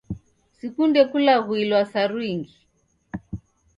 Sikunde kulaghuilwa saru ingi.